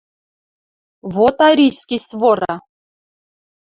Вот арийский свора